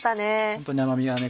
ホントに甘みがね